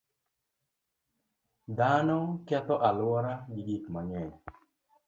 Dhano ketho alwora gi gik mang'eny.